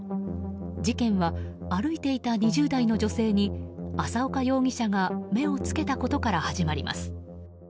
事件は歩いていた２０代の女性に浅岡容疑者が目を付けたことから始まります。